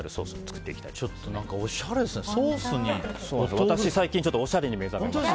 私最近おしゃれに目覚めまして。